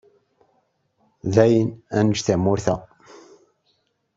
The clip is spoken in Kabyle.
Dayen, ad neǧǧ tamurt-a.